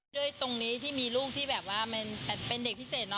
ด้วยตรงนี้ที่มีลูกที่แบบว่าเป็นเด็กพิเศษเนอ